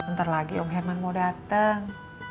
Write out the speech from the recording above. ntar lagi om herman mau dateng